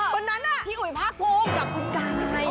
คนนั้นน่ะที่อุ้ยผ้าโกมกับคนกาย